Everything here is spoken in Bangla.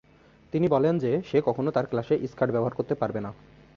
তিনি বলেন যে সে কখনও তাঁর ক্লাসে "স্কার্ট" ব্যবহার করতে পারবে না।